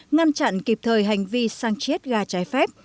ngăn chặn kịp thời hành vi săn chết ga trái phép